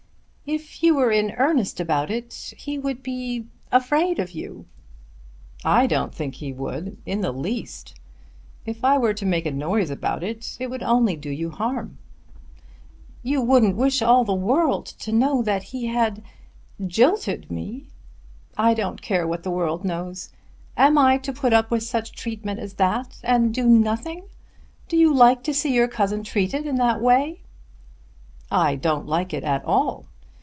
"If you were in earnest about it he would be afraid of you." "I don't think he would in the least. If I were to make a noise about it, it would only do you harm. You wouldn't wish all the world to know that he had " "Jilted me! I don't care what the world knows. Am I to put up with such treatment as that and do nothing? Do you like to see your cousin treated in that way?" "I don't like it at all.